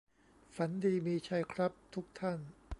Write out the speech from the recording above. ฝันดีมีชัยครับทุกท่าน